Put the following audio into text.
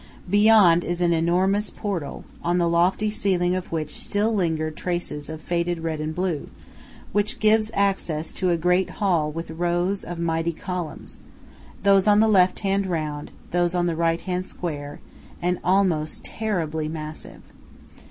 Beyond is an enormous portal, on the lofty ceiling of which still linger traces of faded red and blue, which gives access to a great hall with rows of mighty columns, those on the left hand round, those on the right square, and almost terribly massive.